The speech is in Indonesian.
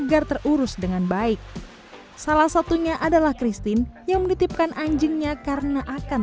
agar terurus dengan baik salah satunya adalah christine yang menitipkan anjingnya karena akan